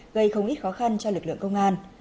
gây không ít khó khăn cho lực lượng công an